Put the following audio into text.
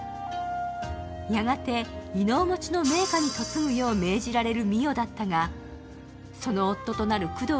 やがて異能持ちの名家に嫁ぐよう命じられる美世だったがその夫となる久堂